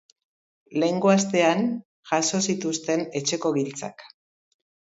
Lehengo astean, jaso zituzten etxeko giltzak.